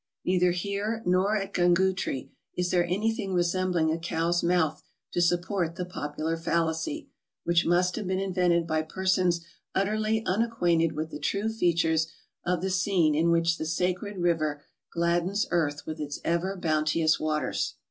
Neither here, nor at Gungootree, is there anything resembling a cow's mouth to support the popular fallacy, which must have been invented by persons utterly unacquainted with the true features of the scene in which the sacred river gladdens earth with its ever bounteous waters.